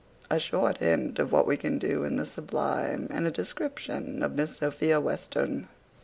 A short hint of what we can do in the sublime, and a description of Miss Sophia Western.